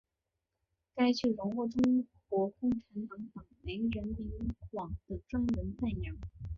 该剧荣获中国共产党党媒人民网的专文赞扬。